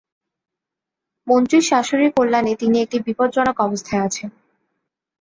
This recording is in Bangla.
মন্ত্রীর শাশুড়ির কল্যাণে তিনি একটি বিপজ্জনক অবস্থায় আছেন।